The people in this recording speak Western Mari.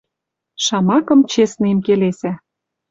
Шамакым честныйым келесӓ